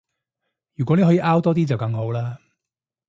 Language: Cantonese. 如果你可以搲多啲就更好啦